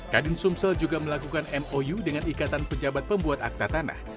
kadin sumsel juga melakukan mou dengan ikatan pejabat pembuat akta tanah